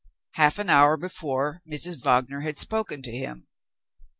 Half an hour before, Mrs. Wagner had spoken to him.